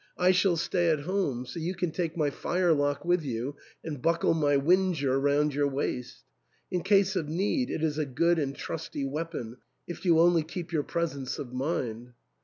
I shall stay at home, so you can take my firelock with you, and buckle my whinger round your waist ; in case of need it is a good and trusty weapon, if you only keep your presence of mind."